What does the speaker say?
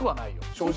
正直。